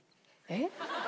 えっ？